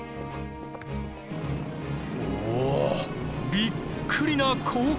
おおびっくりな光景！